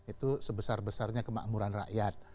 itu sebesar besarnya kemakmuran rakyat